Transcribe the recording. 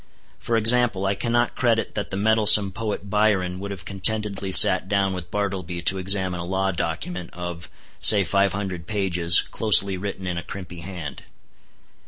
For example, I cannot credit that the mettlesome poet Byron would have contentedly sat down with Bartleby to examine a law document of, say five hundred pages, closely written in a crimpy hand.